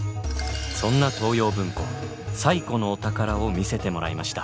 そんな東洋文庫最古のお宝を見せてもらいました。